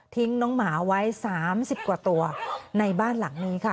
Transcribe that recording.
น้องหมาไว้๓๐กว่าตัวในบ้านหลังนี้ค่ะ